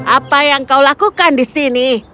apa yang kau lakukan di sini